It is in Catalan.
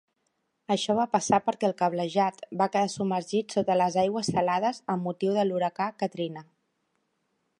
Això va passar perquè el cablejat va quedar submergit sota les aigües salades amb motiu de l'huracà Katrina.